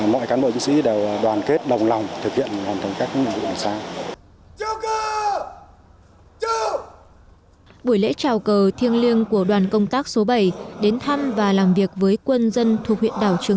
mọi cán bộ chiến sĩ đều đoàn kết đồng lòng thực hiện hoàn thành các nhiệm vụ này